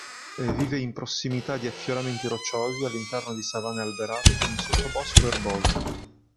Vive in prossimità di affioramenti rocciosi all'interno di savane alberate con un sottobosco erboso.